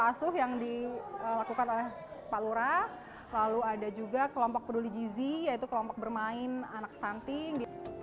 asuh yang dilakukan oleh pak lura lalu ada juga kelompok peduli gizi yaitu kelompok bermain anak stunting